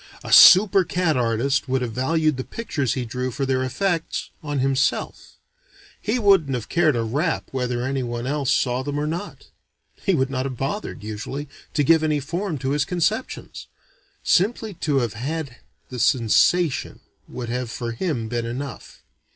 A super cat artist would have valued the pictures he drew for their effects on himself; he wouldn't have cared a rap whether anyone else saw them or not. He would not have bothered, usually, to give any form to his conceptions. Simply to have had the sensation would have for him been enough.